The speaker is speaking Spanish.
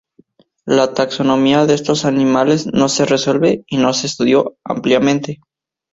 La taxonomía de estos animales no se resuelve y no se estudió ampliamente.